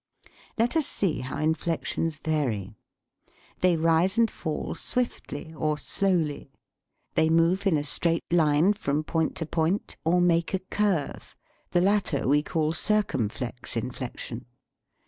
Let us see how inflections vary. They rise and fall swiftly or slowly. They move in a straight line from point to point, or make a curve. (The latter we call circumflex in flection.)